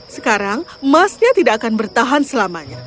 sekarang emasnya tidak akan bertahan selamanya